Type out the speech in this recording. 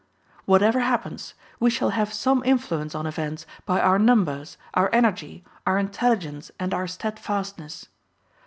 Whatever happens, we shall have some influence on events, by our numbers, our energy, our intelligence and our steadfastness.